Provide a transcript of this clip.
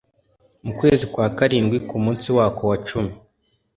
Mu kwezi kwa karindwi ku munsi wako wa cumi